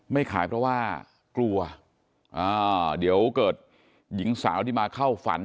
ไม่ขายเพราะว่ากลัวอ่าเดี๋ยวเกิดหญิงสาวที่มาเข้าฝัน